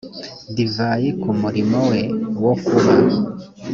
divayi ku murimo we wo kuba